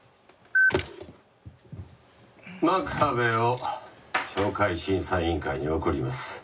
「真壁を懲戒審査委員会に送ります」